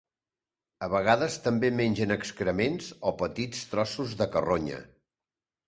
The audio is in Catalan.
A vegades també mengen excrements o petits trossos de carronya.